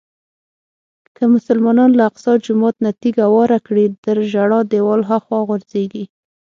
که مسلمانان له اقصی جومات نه تیږه واره کړي تر ژړا دیوال هاخوا غورځېږي.